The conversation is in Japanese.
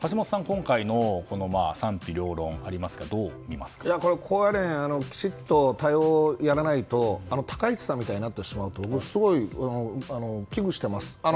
今回の賛否両論ありますが高野連、きちっと対応をやらないと高市さんみたいになってしまうとすごい、危惧してます。